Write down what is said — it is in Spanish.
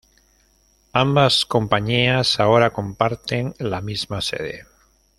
Ambas compañías ahora comparten la misma sede.